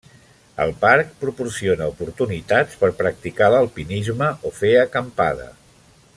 El parc proporciona oportunitats per practicar l'alpinisme o fer acampada.